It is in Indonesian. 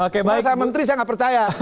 kalau saya menteri saya nggak percaya